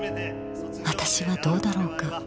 私はどうだろうか？